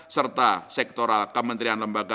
serta sektoral kementerian lembaga